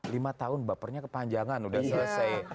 lima tahun bapernya kepanjangan udah selesai